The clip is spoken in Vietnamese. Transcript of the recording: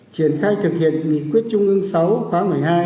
triển khai thực hiện nhị quyết chung ương sáu khóa một mươi hai